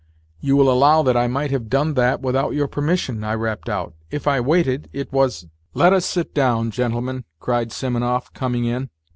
" You will allow that I might have done that without your permission," I rapped out. " If I waited, it was ..."" Let us sit down, gentlemen," cried Simonov, coming in.